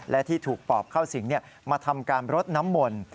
และที่ถูกปอบเข้าสิงมาทำการรดน้ำมนต์